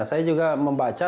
saya juga membaca